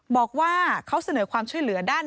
บอกว่าเขาเสนอความช่วยเหลือด้าน